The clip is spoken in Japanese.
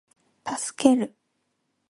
助ける